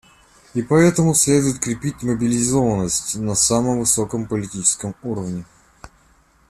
И поэтому следует крепить мобилизованность на самом высоком политическом уровне.